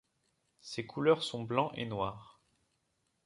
Ses couleurs sont blanc et noir.